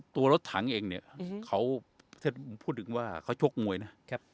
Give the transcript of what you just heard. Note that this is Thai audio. ตัวรถถังเองเนี่ยอืมเขาพูดถึงว่าเขาชกมวยน่ะครับ